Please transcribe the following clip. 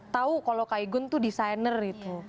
tahu kalau kak igun itu desainer itu